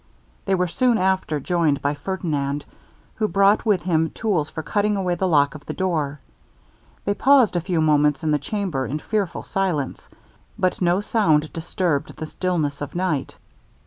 They were soon after joined by Ferdinand, who brought with him tools for cutting away the lock of the door. They paused a few moments in the chamber in fearful silence, but no sound disturbed the stillness of night.